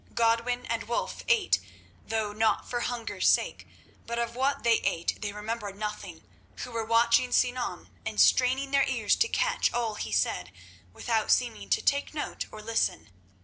Godwin and Wulf ate, though not for hunger's sake, but of what they ate they remembered nothing who were watching Sinan and straining their ears to catch all he said without seeming to take note or listen.